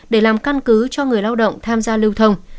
để làm căn cứ cho người lao động tham gia lưu thông